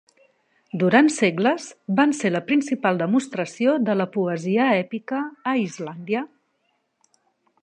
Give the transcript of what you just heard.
Durant segles van ser la principal demostració de la poesia èpica a Islàndia.